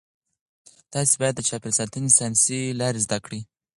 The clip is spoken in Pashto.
تاسي باید د چاپیریال ساتنې ساینسي لارې زده کړئ.